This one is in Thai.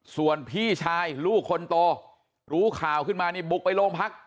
ส่วนพี่ชายลูกคนโตรู้ข่าวขึ้นมานี่บุกไปโรงพัก